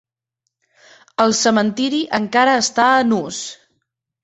El cementiri encara està en ús.